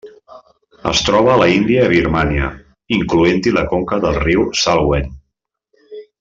Es troba a l'Índia i a Birmània, incloent-hi la conca del riu Salween.